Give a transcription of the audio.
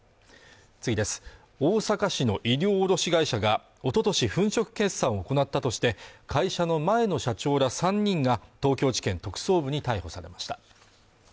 大阪市の衣料卸会社がおととし粉飾決算を行ったとして会社の前の社長ら３人が東京地検特捜部に逮捕されました